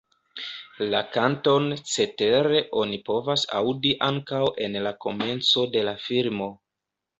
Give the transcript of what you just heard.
La kanton cetere oni povas aŭdi ankaŭ en la komenco de la filmo.